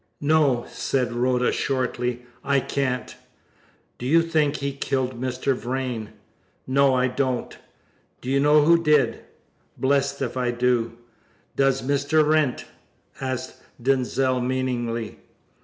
"No!" said Rhoda shortly. "I can't!" "Do you think he killed Mr. Vrain?" "No, I don't!" "Do you know who did?" "Blest if I do!" "Does Mr. Wrent?" asked Denzil meaningly.